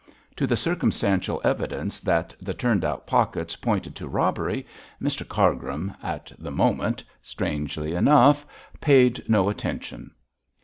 To the circumstantial evidence that the turned out pockets pointed to robbery, Mr Cargrim, at the moment, strangely enough, paid no attention.